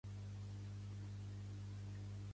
Es troba a la parròquia civil de Pimhill.